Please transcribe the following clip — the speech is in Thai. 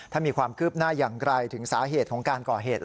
ถ้ามีความคืบหน้าอย่างไรถึงสาเหตุของการก่อเหตุ